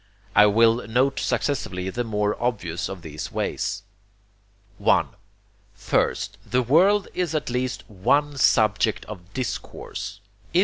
I will note successively the more obvious of these ways. 1. First, the world is at least ONE SUBJECT OF DISCOURSE.